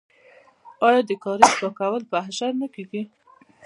آیا د کاریز پاکول په اشر نه کیږي؟